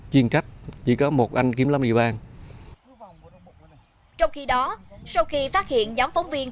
chuyên trách chỉ có một anh kiểm lâm địa bàn trong khi đó sau khi phát hiện nhóm phóng viên